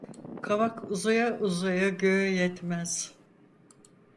Kavak uzaya uzaya göğe yetmez.